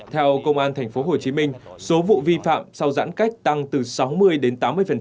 theo công an thành phố hồ chí minh số vụ vi phạm sau giãn cách tăng từ sáu mươi đến tám mươi